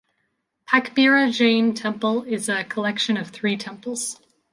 Pakbirra Jain temple is a collection of three temples.